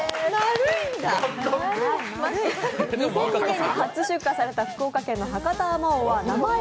２００２年に初出荷された福岡県の博多